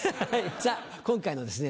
さぁ今回のですね